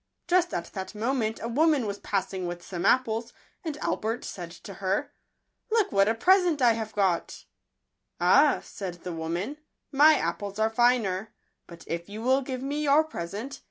Just at that moment a woman was passing with some apples ; and Albert said to her, " Look what a present I have got." " Ah," said the woman, " my apples are finer ; but if you will give me your present